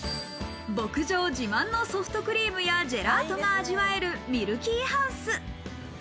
牧場自慢のソフトクリームやジェラートが味わえるミルキーハウス。